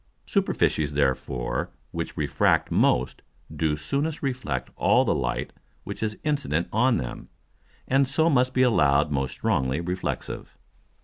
Superficies therefore which refract most do soonest reflect all the Light which is incident on them, and so must be allowed most strongly reflexive.